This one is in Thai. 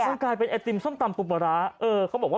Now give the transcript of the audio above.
มันกลายเป็นไอตีมส้มตำปูปลาร้า